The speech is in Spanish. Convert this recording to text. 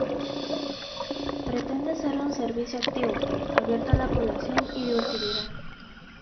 Pretende ser un servicio activo, abierto a la población y de utilidad.